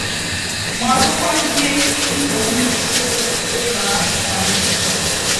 ma rụkwazie dịka onyeisi ụlọakụ ahụ